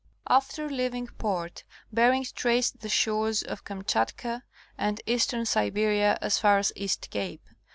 After leaving port Bering traced the shores of Kamchatka and eastern Siberia as far as Hast Cape.